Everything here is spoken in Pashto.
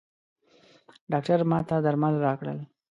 ډاکټر ماته درمل راکړل.